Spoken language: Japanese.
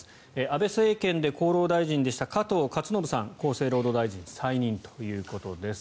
安倍政権で厚労大臣でした加藤勝信さん、厚生労働大臣再任ということです。